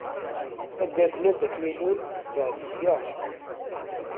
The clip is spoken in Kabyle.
Taddart-nni anda ilul tebɛed ssya.